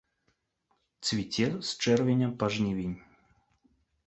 Цвіце з чэрвеня па жнівень.